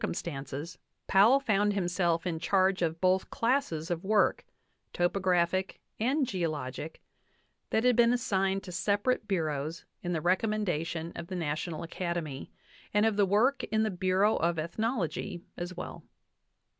VIII cumstances Powell found himself in charge of both 'classes of work topographic and geologic that had been assigned to separate bureaus in the recommendation of the National Acad emy, and of the work in the Bureau of Ethnology as well.